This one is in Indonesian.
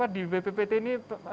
di bbpt ini